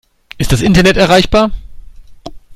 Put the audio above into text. Ist das Internet erreichbar?